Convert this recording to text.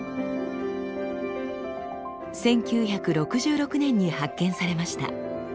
１９６６年に発見されました。